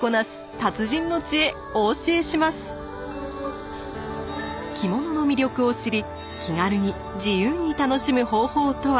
着物の魅力を知り気軽に自由に楽しむ方法とは？